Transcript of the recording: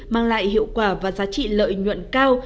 mang lại hiệu quả và giá trị lợi nhuận cao